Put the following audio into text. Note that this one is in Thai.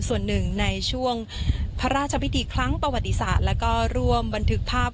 ส่วนหนึ่งในช่วงพระราชพิธีครั้งประวัติศาสตร์แล้วก็ร่วมบันทึกภาพ